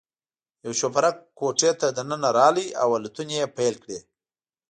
یو شوپرک کوټې ته دننه راغلی او الوتنې یې پیل کړې.